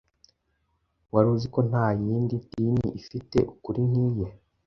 wari uzi ko nta yindi dini ifite ukuri nk’iye